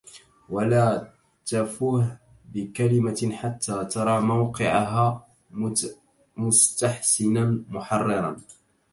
ولا تَفُْه بكلمةٍ حتى ترى موقعها مستحسنا محررا